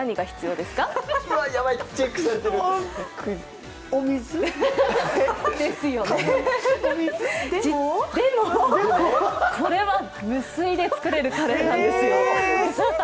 でも、これは無水で作れるカレーなんですよ。